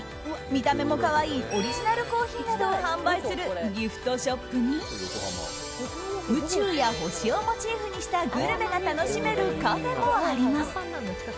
見た目も可愛いオリジナルコーヒーなどを販売するギフトショップに宇宙や星をモチーフにしたグルメが楽しめるカフェもあります。